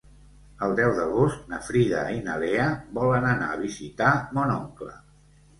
El deu d'agost na Frida i na Lea volen anar a visitar mon oncle.